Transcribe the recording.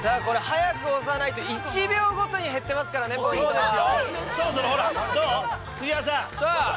これ早く押さないと１秒ごとに減ってますからねポイントは。